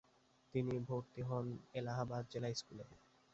তিনি ভর্তি হন এলাহাবাদ জেলা স্কুলে।